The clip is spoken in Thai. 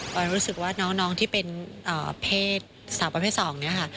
ผมรู้สึกว่าน้องที่เป็นสาวประเภทสอง